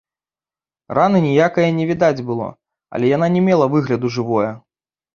Раны ніякае не відаць было, але яна не мела выгляду жывое.